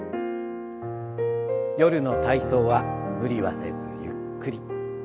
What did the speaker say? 夜の体操は無理はせずゆっくり。